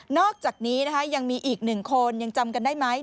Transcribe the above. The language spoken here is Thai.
อกจากนี้นะคะยังมีอีกหนึ่งคนยังจำกันได้ไหม